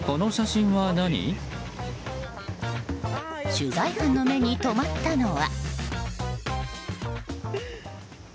取材班の目に留まったのは。